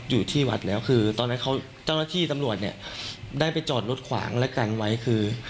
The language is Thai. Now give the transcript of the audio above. อยู่ที่วัดแล้วคือตอนนั้นเขาเจ้าหน้าที่ตำรวจเนี่ยได้ไปจอดรถขวางและกันไว้คือ